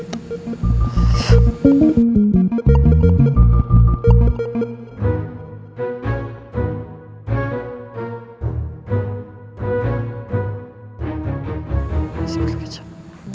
masih belum kecap